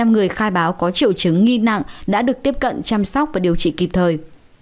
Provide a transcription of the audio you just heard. một mươi hai bảy trăm linh người khai báo có triệu chứng nghi nặng đã được tiếp cận chăm sóc và điều trị kịp thời